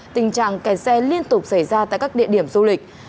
tình trạng kẹt xe liên tục xảy ra tại các địa điểm du lịch